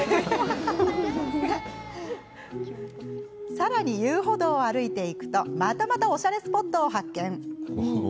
さらに、遊歩道を歩いて行くとまたまたおしゃれスポットを発見。